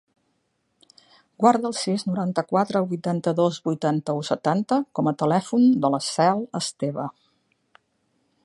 Guarda el sis, noranta-quatre, vuitanta-dos, vuitanta-u, setanta com a telèfon de la Cel Esteva.